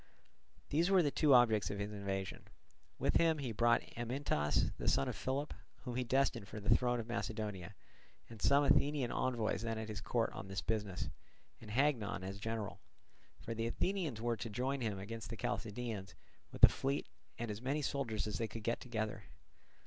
These were the two objects of his invasion. With him he brought Amyntas, the son of Philip, whom he destined for the throne of Macedonia, and some Athenian envoys then at his court on this business, and Hagnon as general; for the Athenians were to join him against the Chalcidians with a fleet and as many soldiers as they could get together.